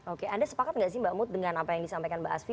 oke anda sepakat nggak sih mbak mut dengan apa yang disampaikan mbak asfi